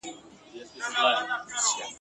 له ازله تر ابده په همدې رنځ مبتلا یو ..